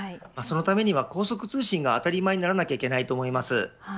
そのためには、高速通信が当たり前にならなけばいけないと思います。